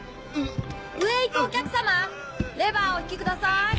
上へ行くお客様レバーをお引きください。